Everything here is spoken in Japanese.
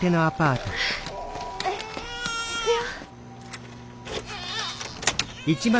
行くよ。